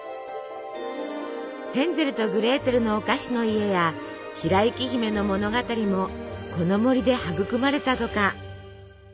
ヘンゼルとグレーテルのお菓子の家や白雪姫の物語もこの森で育まれたとか。